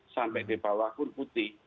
sampai di bawah pun putih